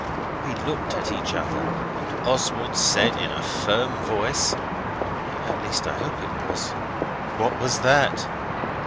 We looked at each other, and Oswald said in a firm voice (at least, I hope it was) 'What was that?